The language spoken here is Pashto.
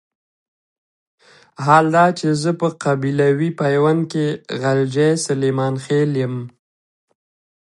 حال دا چې زه په قبيلوي پيوند کې غلجی سليمان خېل يم.